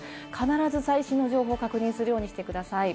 必ず最新の情報を確認するようにしてください。